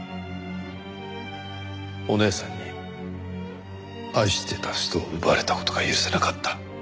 お姉さんに愛してた人を奪われた事が許せなかった。